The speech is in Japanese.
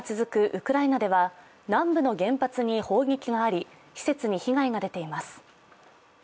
ウクライナでは南部の原発に砲撃があり施設に被害が出ています。